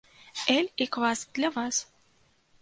Эль і квас для вас!